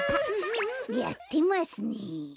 やってますね。